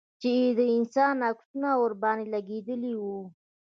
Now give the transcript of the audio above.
چې د انسان عکسونه ورباندې لگېدلي وو.